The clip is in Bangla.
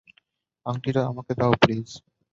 আংটিটা আমাকে দাও, প্লিজ?